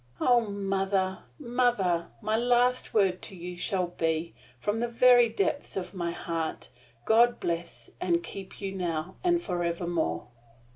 Mother! Mother! My last word to you shall be, from the very depths of my heart, God bless and keep you now and evermore!"